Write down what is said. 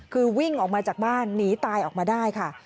คือวิ่งออกมาจากบ้านหนีตายออกมาได้ค่ะ